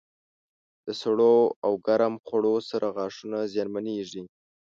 د سړو او ګرم خوړو سره غاښونه زیانمنېږي.